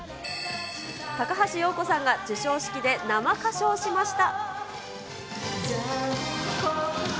高橋洋子さんが授賞式で生歌唱しました。